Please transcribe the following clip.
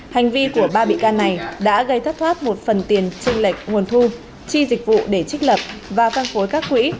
hành vi của ba bị can này đã gây thất thoát một phần tiền tranh lệch nguồn thu chi dịch vụ để trích lập và phân phối các quỹ